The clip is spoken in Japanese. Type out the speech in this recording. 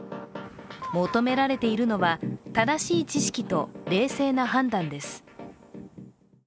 求められているのは、正しい知識と冷静な判断です。